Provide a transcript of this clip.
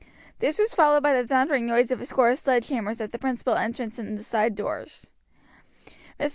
This was followed by the thundering noise of a score of sledge hammers at the principal entrance and the side doors. Mr.